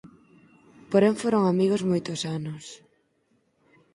Porén foron amigos moitos anos.